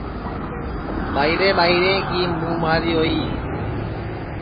ٻائرے ٻائرے کی مُماری ہوئی